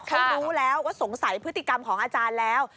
เขารู้แล้วว่าสงสัยพฤติกรรมของอาจารย์แล้ว